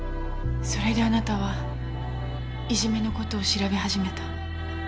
それであなたはいじめの事を調べ始めた。